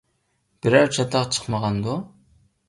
بىرەر چاتاق چىقمىغاندۇ؟